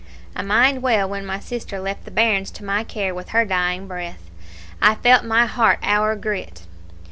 I mind well when my sister left the bairns to my care with her dying breath, I felt my heart owre grit.